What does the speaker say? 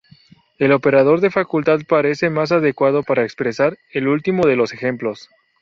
El operador de facultad parece más adecuado para expresar el último de los ejemplos.